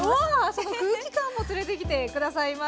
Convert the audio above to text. その空気感も連れてきて下さいました。